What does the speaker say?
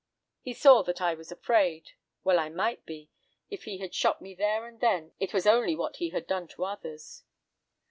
He saw that I was afraid; well I might be—if he had shot me there and then, it was only what he had done to others.